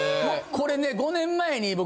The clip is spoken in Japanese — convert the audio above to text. これね５年前に僕